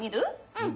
うん！